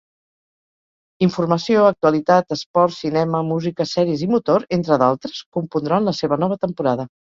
Informació, actualitat, esports, cinema, música, sèries i motor, entre d'altres, compondran la seva nova temporada.